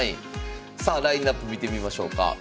さあラインナップ見てみましょうか。